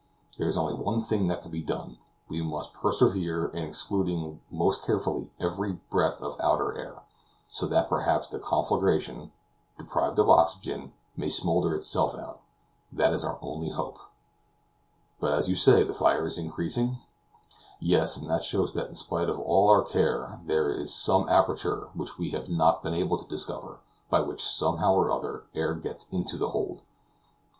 There is only one thing that can be done; we must persevere in excluding most carefully every breath of outer air, so that perhaps the conflagration, deprived of oxygen, may smoulder itself out. That is our only hope." "But, you say the fire is increasing?" "Yes; and that shows that in spite of all our care there is some aperture which we have not been able to discover, by which, somehow or other, air gets into the hold."